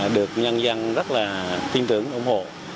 được nhân dân rất là tin tưởng ủng hộ